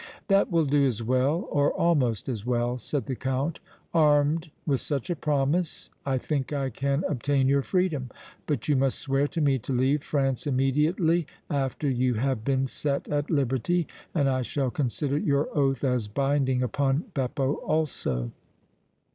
"That will do as well, or almost as well," said the Count. "Armed with such a promise, I think I can obtain your freedom. But you must swear to me to leave France immediately after you have been set at liberty, and I shall consider your oath as binding upon Beppo also."